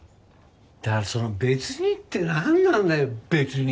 だからその「別に」ってなんなんだよ「別に」って。